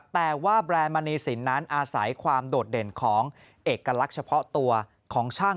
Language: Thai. แต่ว่าแบรนด์มณีสินนั้นอาศัยความโดดเด่นของเอกลักษณ์เฉพาะตัวของช่าง